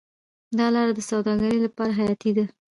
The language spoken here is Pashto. دا لاره د سوداګرۍ لپاره حیاتي ده.